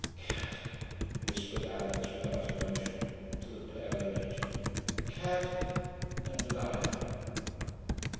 'Cad,' whispered Alix, without emotion, to the pale image. 'Cad and liar.'